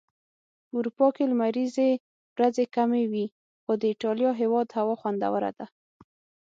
په اروپا کي لمريزي ورځي کمی وي.خو د ايټاليا هيواد هوا خوندوره ده